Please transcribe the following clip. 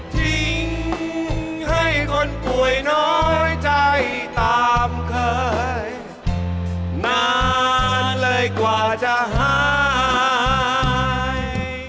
ทิ้งให้คนป่วยน้อยใจตามเคยมาเลยกว่าจะหาย